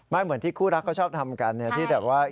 เหมือนที่คู่รักเขาชอบทำกันที่แบบว่า